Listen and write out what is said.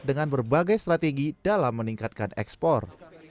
dengan berbagai strategi dalam meningkatkan ekspor